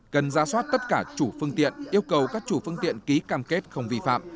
cần ra soát tất cả chủ phương tiện yêu cầu các chủ phương tiện ký cam kết không vi phạm